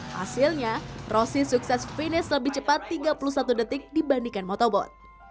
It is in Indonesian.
hasilnya rossi sukses finish lebih cepat tiga puluh satu detik dibandingkan motorbot